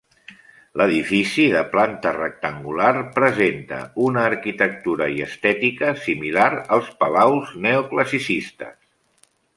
L'edifici, de planta rectangular, presenta una arquitectura i estètica similar als palaus neoclassicistes.